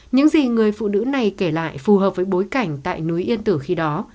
những gì người phụ nữ này kể lại phù hợp với bối cảnh tại núi yên tử khi đó